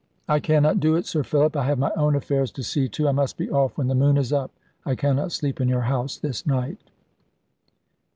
"I cannot do it, Sir Philip. I have my own affairs to see to: I must be off when the moon is up. I cannot sleep in your house, this night."